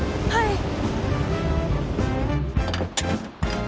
はい。